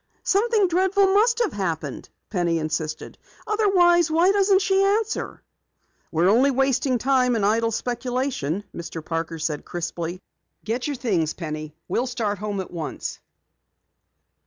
"Something dreadful must have happened," Penny insisted. "Otherwise, why doesn't she answer?" "We're only wasting time in idle speculation," Mr. Parker said crisply. "Get your things, Penny. We'll start home at once!"